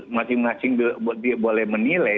masing masing boleh menilai